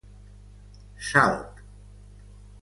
Salt.